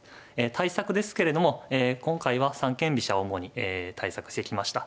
対策ですけれども今回は三間飛車を主に対策してきました。